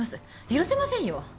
許せませんよ！